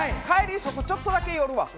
そこちょっとだけ寄るわ。